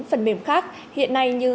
phần mềm khác hiện nay như